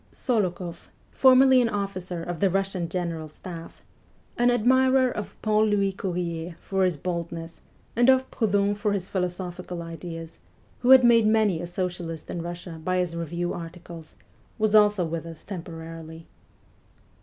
Sokoloff, formerly an officer of the Russian general staff, an admirer of Paul Louis Courier for his boldness and of Proudhon for his philosophical ideas, who had made many a socialist in Russia by liis review articles, was also with us temporarily.